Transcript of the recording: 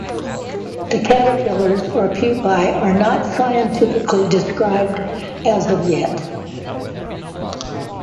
The caterpillars or pupae are not scientifically described as of yet.